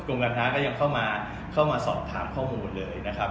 การค้าก็ยังเข้ามาสอบถามข้อมูลเลยนะครับ